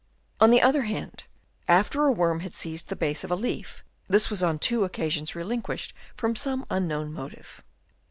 On the other hand, after a worm had seized the base of a leaf, this was on two occasions relin quished from some unknown motive.